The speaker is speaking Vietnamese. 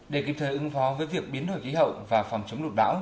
để kịp thời ứng phó với việc biến đổi khí hậu và phòng chống lụt bão